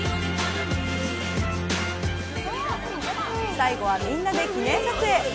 最後はみんなで記念撮影。